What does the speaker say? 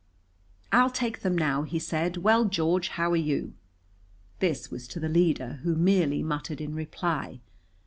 "I'll take them now," he said. "Well, George, how are you?" This was to the leader, who merely muttered in reply.